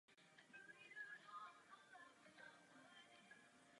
Je často považován za jednoho z nejlepších fotbalistů všech dob.